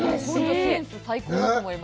センス最高だと思います。